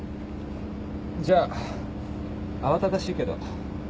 じゃあ慌ただしいけど元気でな。